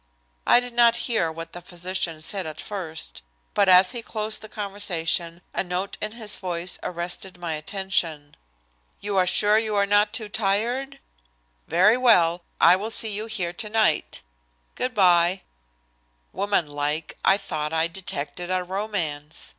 I did not hear what the physician said at first, but as he closed the conversation a note in his voice arrested my attention. "You are sure you are not too tired? Very well. I will see you here tonight. Good by." Woman like, I thought I detected a romance.